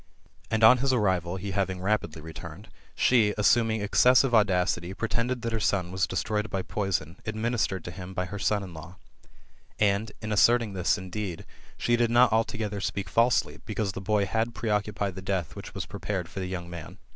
And on his arrival, he having r^idly returned, she, assuming excessive GOLDEN ASS, OP APULBIU8. — »00|& X. X73 audacity, pretended that her son was destroyed by poison^ administered to him by her son in law. And, in asserting this indeed, she did not altogether speak falsely, because the boy had preoccupied the death which was prepared for the young man.